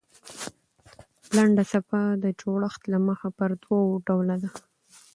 لنډه څپه د جوړښت له مخه پر دوه ډوله ده.